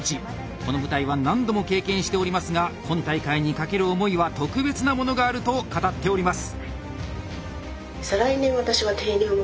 この舞台は何度も経験しておりますが今大会に懸ける思いは特別なものがあると語っております。